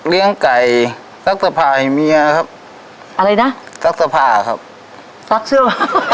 เลี้ยงไก่ซักสภาพให้เมียครับอะไรนะซักสภาพครับซักเสื้อ